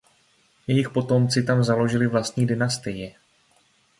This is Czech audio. Jejich potomci tam založili vlastní dynastii.